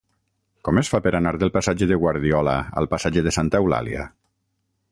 Com es fa per anar del passatge de Guardiola al passatge de Santa Eulàlia?